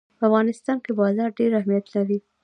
په افغانستان کې باران ډېر اهمیت لري.